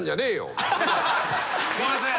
すいません。